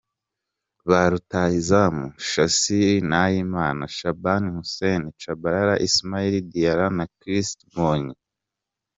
Ba rutahizamu: Shassir Nahimana, Shaban Hussein Tshabalala, Ismaila Diarra na Christ Mbondi